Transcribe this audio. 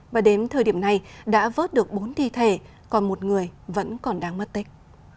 và đến thời điểm này đã vớt được bốn thi thể còn một người vẫn còn đang mất tích